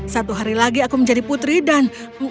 satu hari lagi aku menjadi putri dan